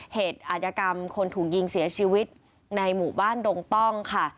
อาจกรรมคนถูกยิงเสียชีวิตในหมู่บ้านดงต้องค่ะ